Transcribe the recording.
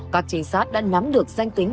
các trinh sát đã nắm được danh tính